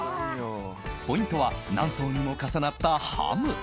ポイントは何層にも重なったハム。